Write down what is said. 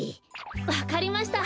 わかりました。